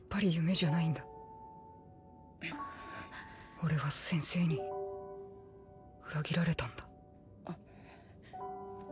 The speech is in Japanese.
俺は先生に裏切られたんだ。